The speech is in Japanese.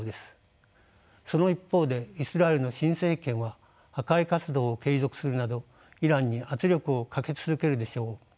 その一方でイスラエルの新政権は破壊活動を継続するなどイランに圧力をかけ続けるでしょう。